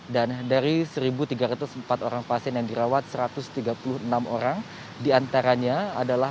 dan dari satu tiga ratus empat orang pasien yang dirawat satu ratus tiga puluh enam orang diantaranya adalah